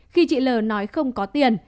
khi chị lờ nói không có tiền